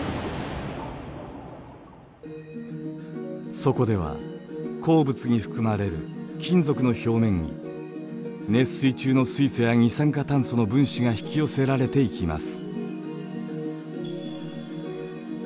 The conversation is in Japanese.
そこでは鉱物に含まれる金属の表面に熱水中の水素や二酸化炭素の分子が引き寄せられていきます。